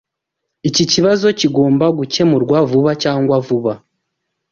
Iki kibazo kigomba gukemurwa vuba cyangwa vuba.